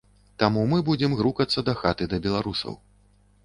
Таму мы будзем грукацца дахаты да беларусаў.